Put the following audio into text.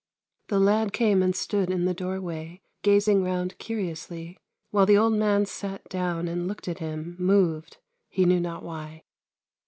The lad came and stood in the doorway, gazing round curiously, while the old man sat down and looked at him, moved, he knew not why.